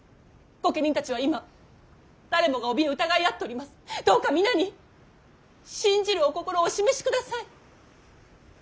御家人たちは今誰もがおびえ疑い合っております。どうか皆に信じるお心をお示しください。